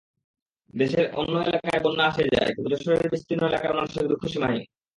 দেশের অন্য এলাকায় বন্যা আসে-যায়, কিন্তু যশোরের বিস্তীর্ণ এলাকার মানুষের দুঃখ সীমাহীন।